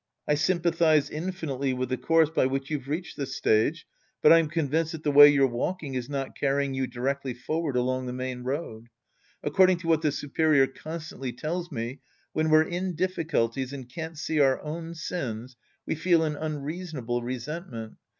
I sympathize infinitely with the course by which you've reached this stage. But I'm convinced that the way you're walking is not carrying you directly forward along the main road. According to what the superior constantly tells me, when we're in difficulties and can't see our own sins, we feel an unreasonable resentment.